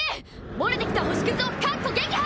漏れてきた星屑を各個撃破！